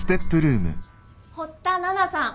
堀田奈々さん